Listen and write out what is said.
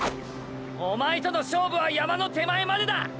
おまえとの勝負は山の手前までだ！！